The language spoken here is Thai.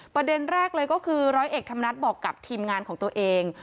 ประเด็นแรกเลยก็คือร้อยเอกธรรมนัฐบอกกับทีมงานของตัวเอง